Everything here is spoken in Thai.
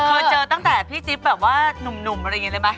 เคยเจอตั้งแต่พี่จิ๊บแบบว่าหนุ่มอะไรอย่างนี้เลยไหม